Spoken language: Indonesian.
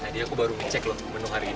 tadi aku baru ngecek loh menu hari ini